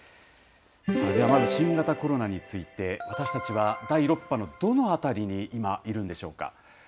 ではまず新型コロナについて、私たちは第６波のどのあたりに今、いるんでしょうか。